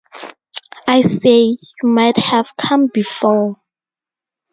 I say, you might have come before!